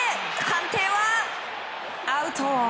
判定はアウト！